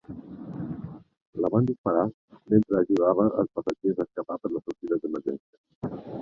La van disparar mentre ajudava els passatgers a escapar per les sortides d'emergència.